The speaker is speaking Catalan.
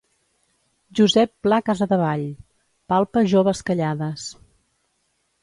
Josep Pla Casadevall: “Palpa Joves Callades”.